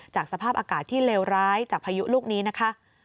สภาพอากาศที่เลวร้ายจากพายุลูกนี้นะคะ